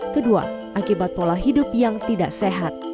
kedua akibat pola hidup yang tidak sehat